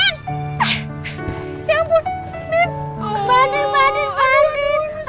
aduh aduh aduh